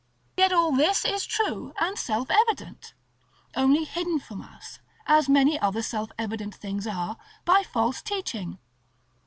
Yet all this is true, and self evident; only hidden from us, as many other self evident things are, by false teaching.